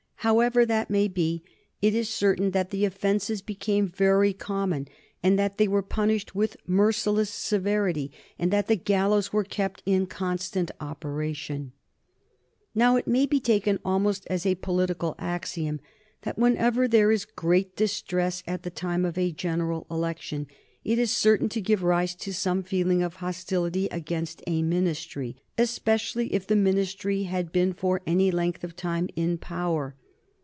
However that may be, it is certain that the offences became very common, that they were punished with merciless severity, and that the gallows was kept in constant operation. [Sidenote: 1830 A change in constitutional systems] Now, it may be taken almost as a political axiom that whenever there is great distress at the time of a general election it is certain to give rise to some feeling of hostility against a Ministry, especially if the Ministry had been for any length of time in power.